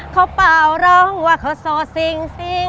เขาเปล่าร้องว่าเขาโสดสิ่ง